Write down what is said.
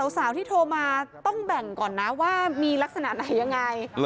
สาวที่โทรมาต้องแบ่งก่อนนะว่ามีลักษณะไหนยังไง